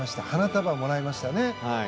花束をもらいましたね。